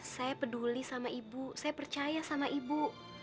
saya peduli sama ibu saya percaya sama ibu